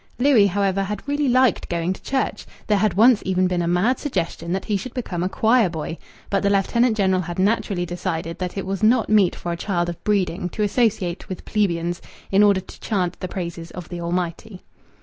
Louis, however, had really liked going to church. There had once even been a mad suggestion that he should become a choir boy, but the Lieutenant General had naturally decided that it was not meet for a child of breeding to associate with plebeians in order to chant the praises of the Almighty.